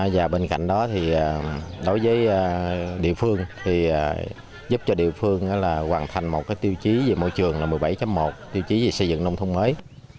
và bên cạnh đó thì đối với địa phương thì giúp cho địa phương là hoàn thành một tiêu chí về môi trường là một mươi bảy một tiêu chí về xây dựng nông thôn mới